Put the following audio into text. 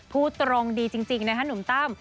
พูดตรงดีจริงนะคะหนุ่มตั้ม